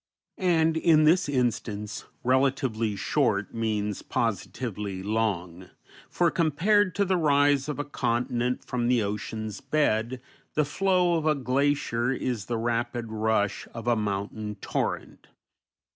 And in this instance "relatively short" means positively long; for, compared to the rise of a continent from the ocean's bed, the flow of a glacier is the rapid rush of a mountain torrent.